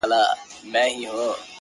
دادی بیا نمک پاسي ده؛ پر زخمونو د ځپلو؛